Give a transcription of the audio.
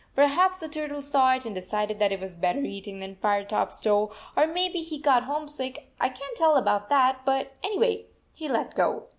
Perhaps the turtle saw it and decided that it was better eating than Fire top s toe, or maybe he got homesick. I can t tell about that, but anyway he let go.